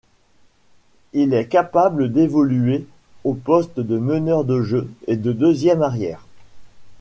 Il est capable d'évoluer aux postes de meneur de jeu et de deuxième arrière.